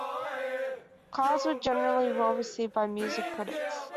"Clouds" was generally well received by music critics.